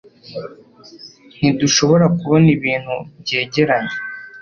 Ntidushobora kubona ibintu byegeranye